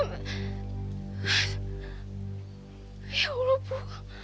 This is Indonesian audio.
ya allah bu